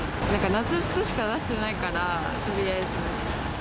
夏服しか出してないから、とりあえず。